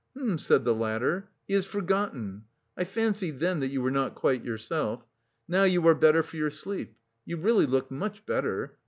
"Hm!" said the latter, "he has forgotten. I fancied then that you were not quite yourself. Now you are better for your sleep.... You really look much better.